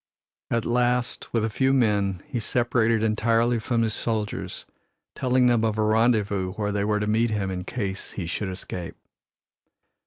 At last, with a few men, he separated entirely from his soldiers, telling them of a rendezvous where they were to meet him in case he should escape.